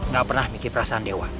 gak pernah mikir perasaan dewan